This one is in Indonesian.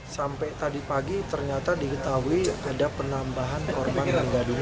sampai tadi pagi ternyata diketahui ada penambahan korban yang ada di sini